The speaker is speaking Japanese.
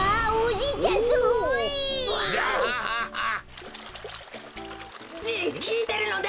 じいひいてるのだ！